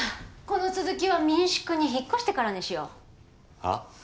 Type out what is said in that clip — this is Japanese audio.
この続きは民宿に引っ越してからにしようはあ？